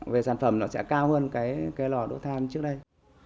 về sản phẩm nó sẽ cao hơn cái lò đốt than trước đây